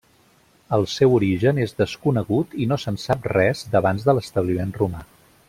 El seu origen és desconegut i no se'n sap res d'abans de l'establiment romà.